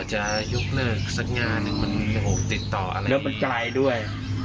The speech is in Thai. หรือว่ามันไกลด้วย